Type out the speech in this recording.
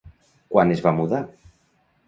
Quan es va mudar?